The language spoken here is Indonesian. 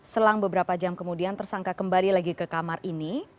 selang beberapa jam kemudian tersangka kembali lagi ke kamar ini